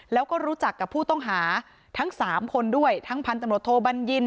แล้วก็รู้จักกับผู้ต้องหาทั้งสามคนด้วยทั้งพันตำรวจโทบัญญิน